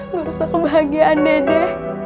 ngerusak kebahagiaan dede